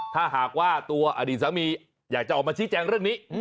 ถ้าหากว่าตัวอดีตสามีอยากจะออกมาชี้แจงเรื่องนี้